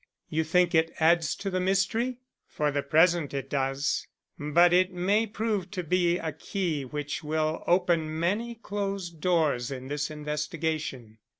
"You think it adds to the mystery?" "For the present it does. But it may prove to be a key which will open many closed doors in this investigation."